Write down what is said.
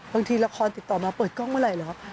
บางทีละครติดต่อมาเปิดกล้องเมื่อไหร่เหรอครับ